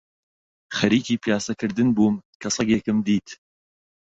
خەریکی پیاسە کردن بووم کە سەگێکم دیت